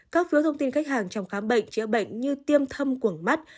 các phiếu thông tin khách hàng trong khám bệnh chữa bệnh như tiêm thâm quẩng mắt